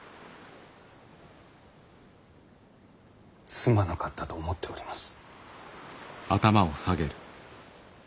すまなかったと思っております。